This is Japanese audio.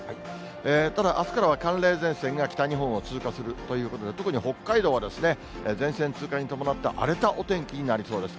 ただ、あすからは寒冷前線が北日本を通過するということで、特に北海道はですね、前線通過に伴って荒れたお天気になりそうです。